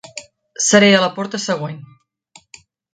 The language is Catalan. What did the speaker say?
Seré a la porta següent.